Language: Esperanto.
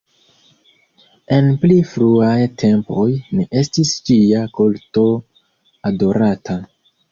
En pli fruaj tempoj ne estis ŝia kulto adorata.